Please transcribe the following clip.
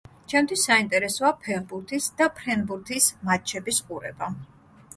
ჩემთვის საინტერესოა ფეხბურთის და ფრენბურთის მატჩების ყურება.